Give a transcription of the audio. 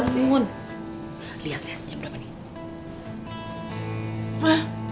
lihat lihat jam berapa nih